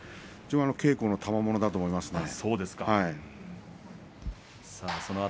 日頃の稽古のたまものだと思います。